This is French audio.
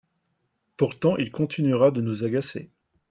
Pourtant il continuera de nous agacer.